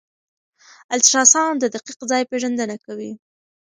الټراساؤنډ د دقیق ځای پېژندنه کوي.